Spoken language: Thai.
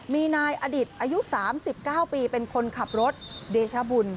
มีนายอดิษฐ์อายุ๓๙ปีเป็นคนขับรถเดชบุญ